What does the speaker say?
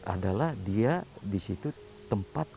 adalah dia di situ tempat untuk membuat perubahan